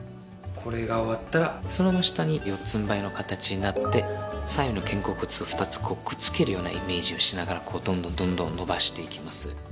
これが終わったらそのまま下に四つんばいの形になって左右の肩甲骨を２つくっつけるようなイメージをしながらどんどんどんどん伸ばしていきます。